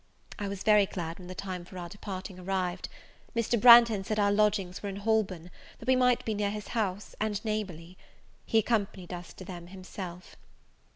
I was very glad when the time for our departing arrived. Mr. Branghton said our lodgings were in Holborn, that we might be near his house, and neighbourly. He accompanied us to them himself.